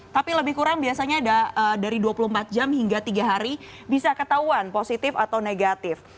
tapi lebih kurang biasanya ada dari dua puluh empat jam hingga tiga hari bisa ketahuan positif atau negatif